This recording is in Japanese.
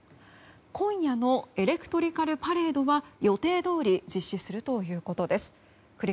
今夜のエレクトリカルパレードは予定どおり実施するということです。